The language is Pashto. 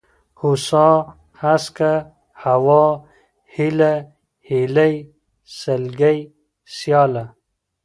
هوسا ، هسکه ، هوا ، هېله ، هيلۍ ، سلگۍ ، سياله